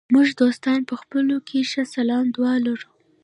موږ دوستان په خپلو کې ښه سلام دعا لرو.